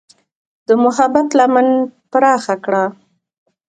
د محبت لمن پراخه کړه.